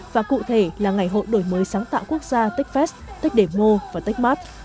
và cụ thể là ngày hội đổi mới sáng tạo quốc gia techfest techdemo và techmart